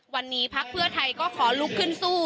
วันนี้พักเพื่อไทยก็ขอลุกขึ้นสู้